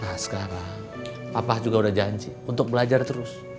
nah sekarang apa juga udah janji untuk belajar terus